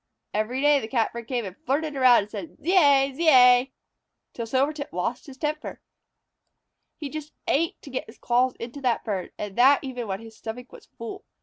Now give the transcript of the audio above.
Every day the Catbird came and flirted around and said, "Zeay! Zeay!" till Silvertip lost his temper. He just ached to get his claws into that bird, and that even when his stomach was full.